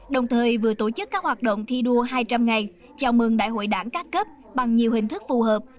đồng thời vừa tổ chức các hoạt động thi đua hai trăm linh ngày chào mừng đại hội đảng các cấp bằng nhiều hình thức phù hợp